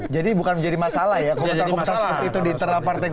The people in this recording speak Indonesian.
jadi bukan menjadi masalah ya